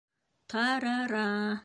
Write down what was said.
Та-ра-ра!